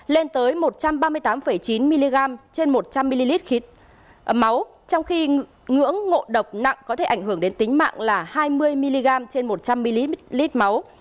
lên tới một trăm ba mươi tám chín mg trên một trăm linh ml máu trong khi ngưỡng ngộ độc nặng có thể ảnh hưởng đến tính mạng là hai mươi mg trên một trăm linh ml máu